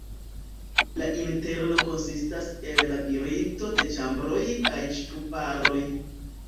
La interno konsistas el labirinto de ĉambroj kaj ŝtuparoj.